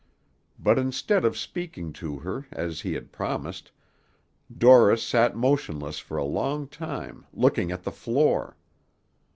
But instead of speaking to her, as he had promised, Dorris sat motionless for a long time, looking at the floor.